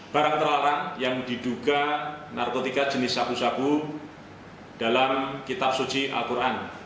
barang terlarang yang diduga narkotika jenis sabu sabu dalam kitab suci al quran